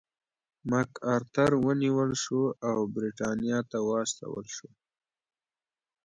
مک ارتر ونیول شو او برېټانیا ته واستول شو.